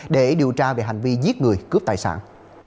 để điều tra về hành vi giết người cướp tài sản